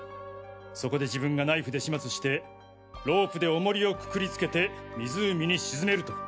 そこで自分がナイフで始末してロープで重りをくくりつけて湖に沈めると。